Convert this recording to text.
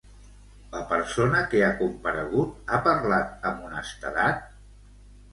La persona que ha comparegut, ha parlat amb honestedat?